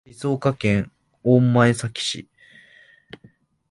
静岡県御前崎市